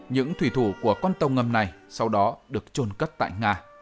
những thủy thủ của con tàu ngầm này sau đó được trôn cất tại nga